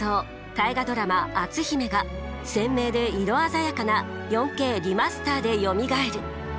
大河ドラマ「篤姫」が鮮明で色鮮やかな４Ｋリマスターでよみがえる！